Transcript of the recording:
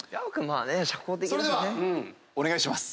お願いします。